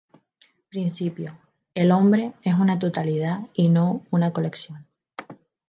Principio:El hombre es una totalidad y no una colección.